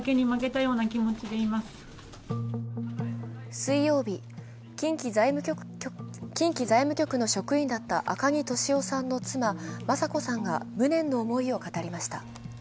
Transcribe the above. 水曜日、近畿財務局の職員だった赤木俊夫さんの妻、雅子さんが無念の思いを語りました。